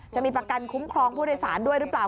จะมีประกันคุ้มครองผู้โดยสารด้วยหรือเปล่า